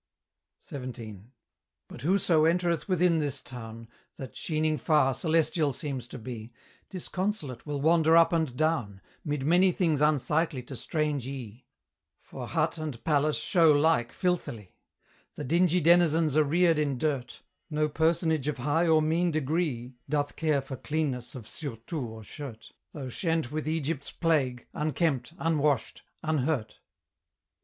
XVII. But whoso entereth within this town, That, sheening far, celestial seems to be, Disconsolate will wander up and down, Mid many things unsightly to strange e'e; For hut and palace show like filthily; The dingy denizens are reared in dirt; No personage of high or mean degree Doth care for cleanness of surtout or shirt, Though shent with Egypt's plague, unkempt, unwashed, unhurt.